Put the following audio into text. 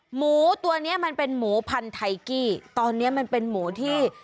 หมูตัวเนี้ยมันเป็นหมูพันธัยกี้ตอนเนี้ยมันเป็นหมูที่